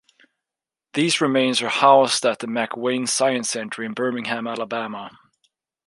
These remains are housed at the McWane Science Center in Birmingham, Alabama.